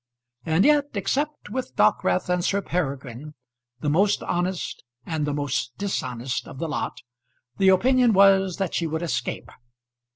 And yet, except with Dockwrath and Sir Peregrine, the most honest and the most dishonest of the lot, the opinion was that she would escape.